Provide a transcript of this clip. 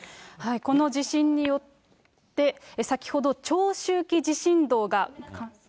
この地震によって、先ほど、長周期地震動が。